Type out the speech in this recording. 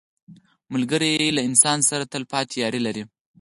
ملګری له انسان سره تل پاتې یاري لري